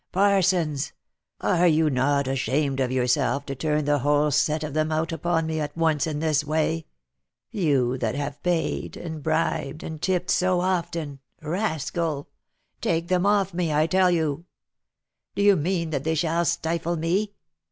" Parsons ! are you not ashamed of yourself to turn the whole set of them out upon me at once in this way ? You that have paid, and bribed, and tipped so often ! Rascal ! Take them off me, I tell you ! Do you mean that they shall stifle me?